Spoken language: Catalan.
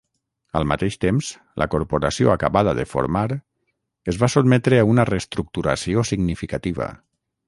Al mateix temps, la Corporació acabada de formar es va sotmetre a una reestructuració significativa.